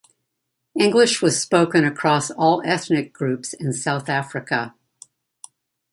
English was spoken across all ethnic groups in South Africa.